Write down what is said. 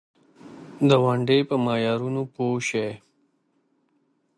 ستاسو یوه جمله بل کس هڅولی سي.